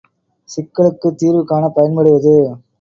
சிக்கலுக்குத் தீர்வு காணப் பயன்படுவது.